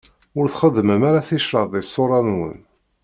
Ur txeddmem ara ticraḍ di ṣṣura-nwen.